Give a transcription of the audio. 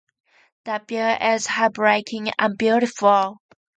The view is heartbreaking and beautiful.